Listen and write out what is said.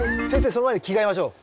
その前に着替えましょう。